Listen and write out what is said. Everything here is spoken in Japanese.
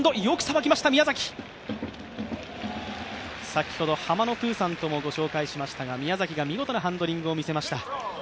先ほどハマのプーさんともご紹介しましたが、宮崎が見事なハンドリングを見せました。